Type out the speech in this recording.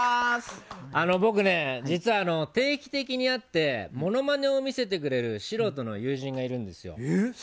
僕、実は定期的に会ってモノマネを見せてくれる素人の友人がいるんですよ。